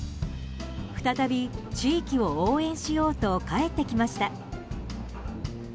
再び地域を応援しようと帰ってきました。